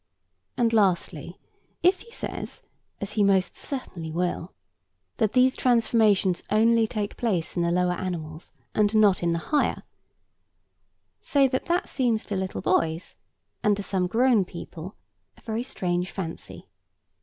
And, lastly, if he says (as he most certainly will) that these transformations only take place in the lower animals, and not in the higher, say that that seems to little boys, and to some grown people, a very strange fancy.